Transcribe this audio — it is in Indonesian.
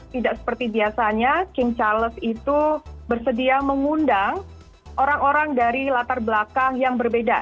tidak seperti biasanya king charles itu bersedia mengundang orang orang dari latar belakang yang berbeda